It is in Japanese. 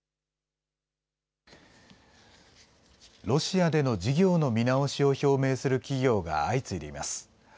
ロシアでの事業の見直しを表明する企業が相次いでいます。